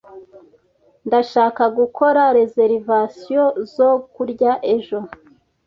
Ndashaka gukora reservations zo kurya ejo.